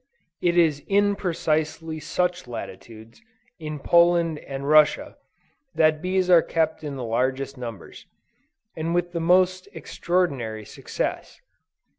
It is in precisely such latitudes, in Poland and Russia, that bees are kept in the largest numbers, and with the most extraordinary success.